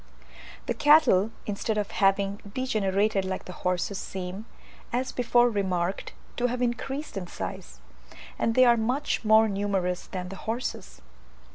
The cattle, instead of having degenerated like the horses seem, as before remarked, to have increased in size; and they are much more numerous than the horses.